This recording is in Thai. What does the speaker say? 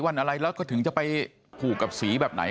วันอะไรแล้วก็ถึงจะไปผูกกับสีแบบไหน